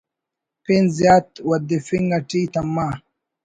پین زیات ودفنگ اٹی تما